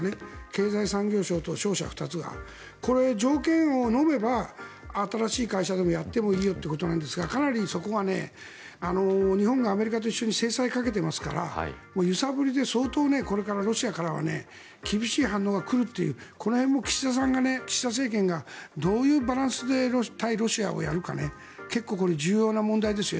経済産業省と商社２つがこれ、条件をのめば新しい会社でもやってもいいよということなんですがかなりそこが日本がアメリカと一緒に制裁をかけていますから揺さぶりで相当、これからロシアからは厳しい反応が来るというこの辺も岸田政権がどういうバランスで対ロシアをやるか結構これ重要な問題ですよ